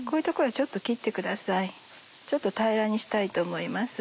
ちょっと平らにしたいと思います。